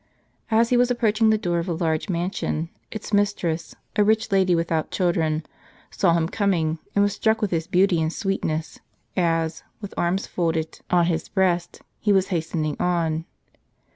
As he was approaching the door of a large mansion, its mistress, a rich lady without children, saw him coming, and was struck with his beauty and sweetness, as, with arms folded on his breast, he was hastening on.